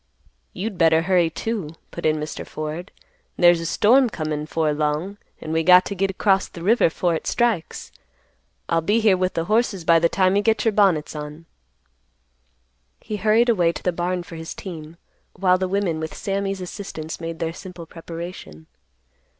"You'd better hurry; too," put in Mr. Ford. "There's a storm comin' 'fore long, an' we got t' git across th' river 'fore hit strikes. I'll be here with th' horses by the time you get your bonnets on." He hurried away to the barn for his team, while the women with Sammy's assistance made their simple preparation.